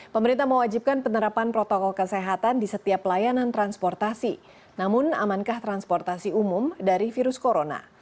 pemerintah mewajibkan penerapan protokol kesehatan di setiap pelayanan transportasi namun amankah transportasi umum dari virus corona